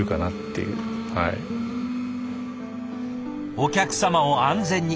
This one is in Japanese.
お客さまを安全に。